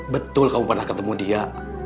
betul kamu pernah ketemu dia